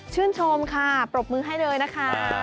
ชื่นชมค่ะปรบมือให้เลยนะคะ